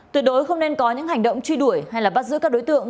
tuyệt đối không nên có những hành động truy đuổi hay bắt giữ các đối tượng